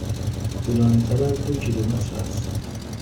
طولانی تر از دو کیلومتر است.